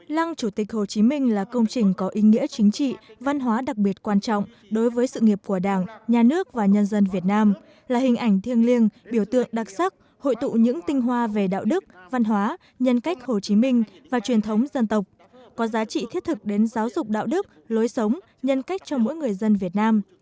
lăng chủ tịch hồ chí minh là công trình có ý nghĩa chính trị văn hóa đặc biệt quan trọng đối với sự nghiệp của đảng nhà nước và nhân dân việt nam là hình ảnh thiêng liêng biểu tượng đặc sắc hội tụ những tinh hoa về đạo đức văn hóa nhân cách hồ chí minh và truyền thống dân tộc có giá trị thiết thực đến giáo dục đạo đức lối sống nhân cách cho mỗi người dân việt nam